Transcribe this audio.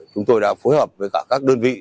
chúng tôi đã phối hợp với cả các đơn vị